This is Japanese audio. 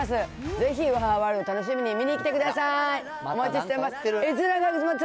ぜひワハハワールド楽しみに見に来てください。